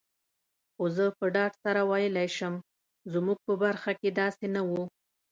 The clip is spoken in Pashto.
خو زه په ډاډ سره ویلای شم، زموږ په برخه کي داسي نه وو.